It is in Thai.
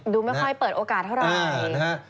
ดูไม่ค่อยเปิดโอกาสเท่าไหร่